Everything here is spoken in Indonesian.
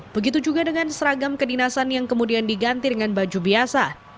begitu juga dengan seragam kedinasan yang kemudian diganti dengan baju biasa